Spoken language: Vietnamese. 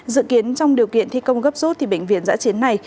dự kiến trong điều kiện thi công gấp rút bệnh viện giã chiến này